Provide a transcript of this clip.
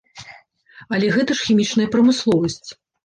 Але гэта ж хімічная прамысловасць.